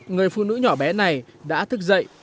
người phụ nữ nhỏ bé này đã thức dậy